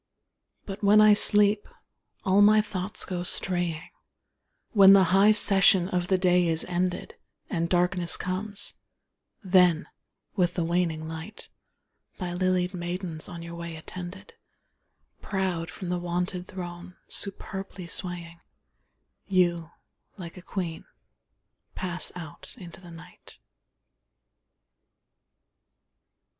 But when I sleep, and all my thoughts go straying, When the high session of the day is ended, And darkness comes; then, with the waning light, By lilied maidens on your way attended, Proud from the wonted throne, superbly swaying, You, like a queen, pass out into the night.